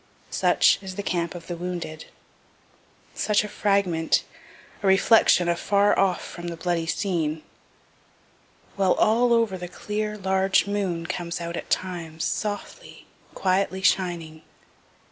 Such is the camp of the wounded such a fragment, a reflection afar off of the bloody scene while all over the clear, large moon comes out at times softly, quietly shining.